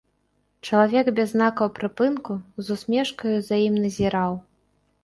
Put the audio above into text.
Чалавек без знакаў прыпынку з усмешкаю за ім назіраў.